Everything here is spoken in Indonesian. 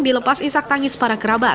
dilepas isak tangis para kerabat